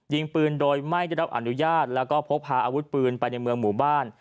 ยิงปืนโดยไม่ได้รับอนุญาตแล้วก็พกพาอาวุธปืนไปในเมืองหมู่บ้าน